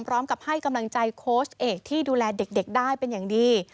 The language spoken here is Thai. พร้อมกับให้กำลังใจโค้ชเอกที่ดูแลเด็กได้เป็นอย่างดี